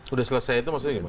udah selesai itu maksudnya gimana